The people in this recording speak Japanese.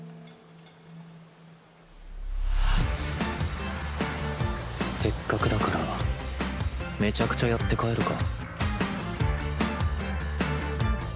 アクア：せっかくだからめちゃくちゃやって帰るか。